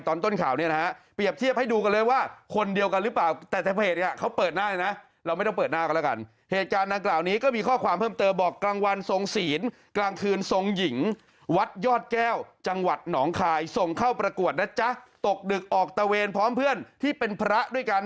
ตอนต้นข่าวเนี่ยนะฮะเปรียบเทียบให้ดูกันเลยว่า